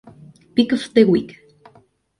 Pick of the Week".